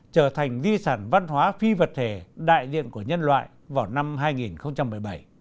trở thành di sản văn hóa phi vật thể đại diện của nhân loại vào năm hai nghìn một mươi bảy